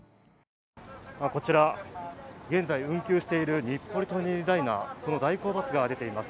こちら現在運休している日暮里・舎人ライナー、その代行バスが出ています。